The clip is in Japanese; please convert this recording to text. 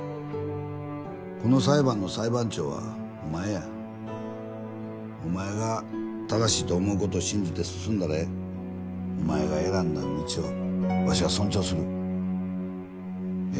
この裁判の裁判長はお前やお前が正しいと思うことを信じて進んだらええお前が選んだ道をわしは尊重するええ